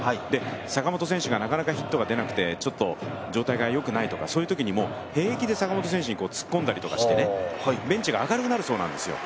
坂本選手がなかなかヒットが出なくて状態がよくないとか、そういうときにも平気で坂本選手にツッコンだりして、ベンチが明るくなるそうなんですよ。